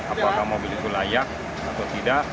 apakah mobil itu layak atau tidak